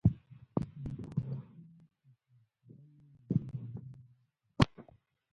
لکه یتیم سهار شړلی ماښام بیا راشم.